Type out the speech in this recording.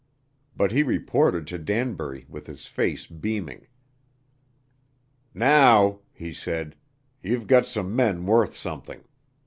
But he reported to Danbury with his face beaming. "Now," he said, "ye've gut some men worth something.